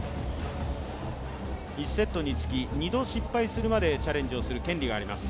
１セットにつき２度失敗するまでチャレンジをする権利があります。